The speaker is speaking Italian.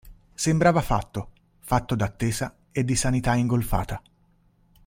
Sembrava fatto: fatto d’attesa e di sanità ingolfata.